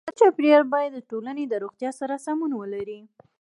ښاري چاپېریال باید د ټولنې د روغتیا سره سمون ولري.